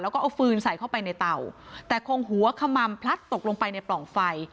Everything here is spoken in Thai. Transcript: แล้วก็เอาฟืนใส่เข้าไปในเตาแต่คงหัวขมัมพลัดตกลงไปในปล่องไฟ